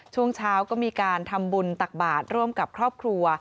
ช่วงเช้าก็มีการทำบุญตักบาทร่วมกับครอบครัว